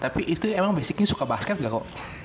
tapi istri emang basicnya suka basket gak kok